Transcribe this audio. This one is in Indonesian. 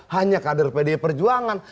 hanya kader pdi perjuangan